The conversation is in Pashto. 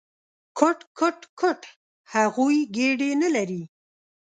_کوټ، کوټ، کوټ… هغوی ګېډې نه لري!